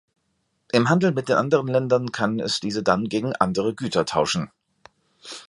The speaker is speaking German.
Im Handel mit den anderen Ländern kann es diese dann gegen andere Güter tauschen.